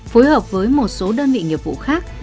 phối hợp với một số đơn vị nghiệp vụ khác